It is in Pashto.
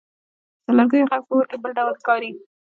د لرګیو ږغ په اور کې بل ډول ښکاري.